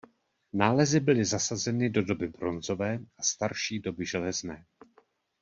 Nálezy byly zasazeny do doby bronzové a starší doby železné.